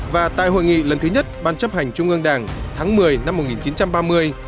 và tại hội nghị lần thứ nhất ban chấp hành trung ương đảng tháng một mươi năm một nghìn chín trăm ba mươi